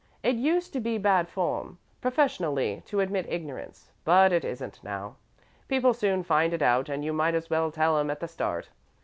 It used to be bad form, professionally, to admit ignorance, but it isn't now. People soon find it out and you might as well tell 'em at the start.